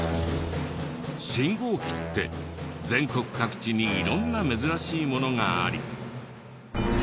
信号機って全国各地に色んな珍しいものがあり。